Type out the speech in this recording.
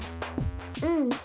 うん。